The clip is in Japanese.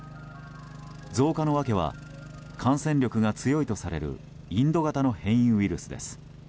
増加の訳は感染力が強いとされるインド型の変異ウイルスです。